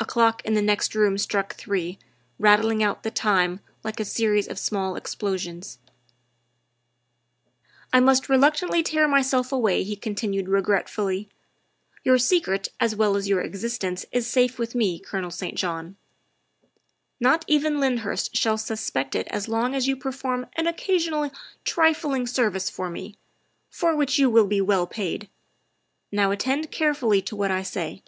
A clock in the next room struck three, rattling out the time like a series of small explosions. '' I must reluctantly tear myself away, '' he continued regretfully. " Your secret as well as your existence is safe with me, Colonel St. John. Not even Lyndhurst 28 THE WIFE OF shall suspect it as long as you perform an occasional trifling service for me, for which you will be well paid. Now attend carefully to what I say."